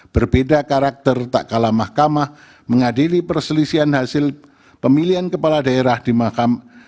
berbeda karakter tak kalah mahkamah mengadili perselisihan hasil pemilihan kepala daerah di makam